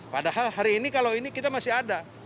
padahal hari ini kalau ini kita masih ada